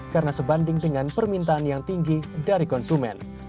karena sebanding dengan permintaan yang tinggi dari konsumen